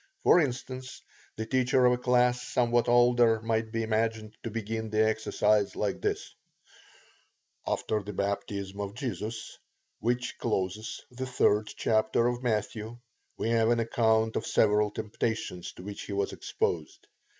For instance, the teacher of a class somewhat older might be imagined to begin the exercise thus: T. After the baptism of Jesus, which closes the 3d chapter of Matthew, we have an account of several temptations to which he was exposed.